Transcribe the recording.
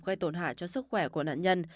gây tổn hại cho sức khỏe của nạn nhân